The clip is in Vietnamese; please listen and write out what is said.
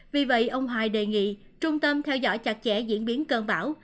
vì vậy ông hài đề nghị trung tâm theo dõi chặt chẽ diễn biến cơn bão